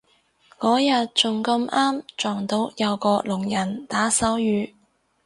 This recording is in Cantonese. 嗰日仲咁啱撞到有個聾人打手語